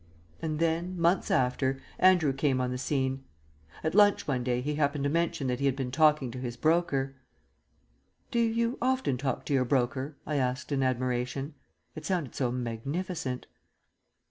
And then, months after, Andrew came on the scene. At lunch one day he happened to mention that he had been talking to his broker. "Do you often talk to your broker?" I asked in admiration. It sounded so magnificent.